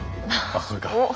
あっそれか。